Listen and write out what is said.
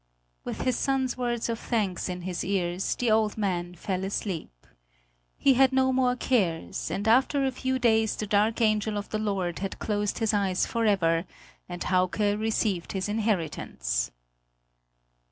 With his son's words of thanks in his ears, the old man fell asleep. He had no more cares: and after a few days the dark angel of the Lord had closed his eyes forever, and Hauke received his inheritance.